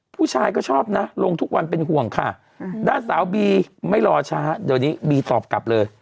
ผู้ชายก็ชอบนะลงทุกวันเป็นห่วงค่ะด้านสาวบีไม่รอช้าเดี๋ยวนี้บีตอบกลับเลย